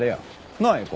なあ英子。